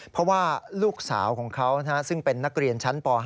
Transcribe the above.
เพราะว่าลูกสาวของเขาซึ่งเป็นนักเรียนชั้นป๕